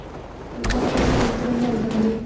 دا شک بیخي له منځه وړي.